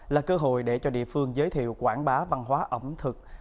là cơ hội để cho địa phương giới thiệu quảng bá văn hóa ẩm thực